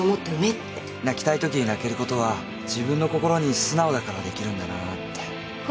泣きたいときに泣けることは自分の心に素直だからできるんだなって。